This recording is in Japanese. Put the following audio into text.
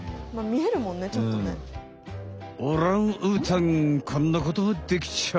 オランウータンこんなこともできちゃう。